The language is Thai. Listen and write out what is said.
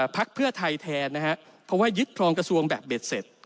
พักเพื่อไทยแทนนะครับเพราะว่ายึดครองกระทรวงแบบเด็ดเสร็จ